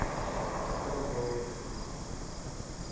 اٽو ڳو